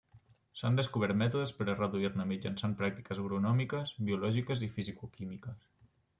S'han descobert mètodes per a reduir-ne mitjançant pràctiques agronòmiques, biològiques i fisicoquímiques.